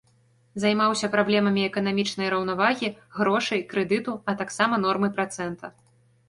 Займаўся праблемамі эканамічнай раўнавагі, грошай, крэдыту, а таксама нормы працэнта.